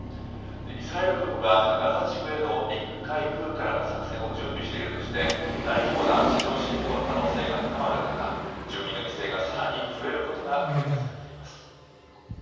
イスラエル軍はガザ地区への陸海空からの作戦を準備しているとして、大規模な地上侵攻の可能性が高まる中、住民の犠牲がさらに増えることが懸念されています。